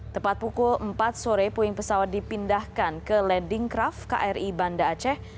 tepat pukul empat sore puing pesawat dipindahkan ke lading craft kri banda aceh